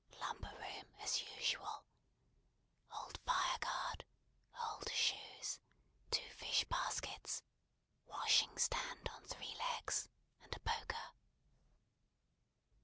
Lumber room as usual. Old fire guard, old shoes, two fish baskets, washing stand on three legs, and a poker.